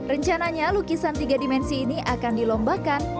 rencananya lukisan tiga dimensi ini akan dilombakan